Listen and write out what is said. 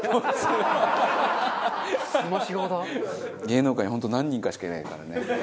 芸能界に本当何人かしかいないからね。